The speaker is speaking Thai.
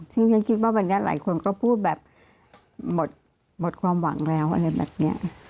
ซึ่งฉันคิดว่าวันนี้หลายคนก็พูดแบบหมดความหวังแล้วอะไรแบบนี้